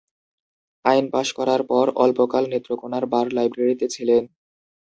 আইন পাশ করার পর অল্পকাল নেত্রকোণার বার লাইব্রেরিতে ছিলেন।